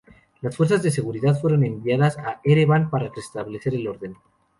Las fuerzas de seguridad fueron enviadas a Ereván para restablecer el orden.